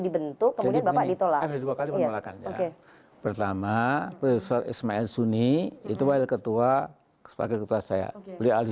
dibentuk kemudian bapak ditolak pertama profesor ismail suni itu ketua sebagai ketua saya beliau